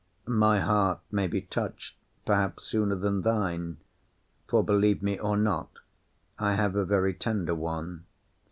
My heart may be touched, perhaps, sooner than thine; for, believe me or not, I have a very tender one.